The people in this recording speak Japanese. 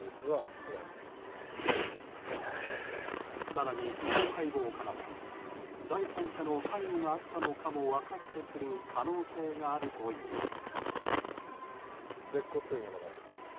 更に、司法解剖からは第三者の関与があったのかも分かってくる可能性があるといいます。